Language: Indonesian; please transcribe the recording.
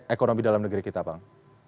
ekonomi dalam negeri kita bang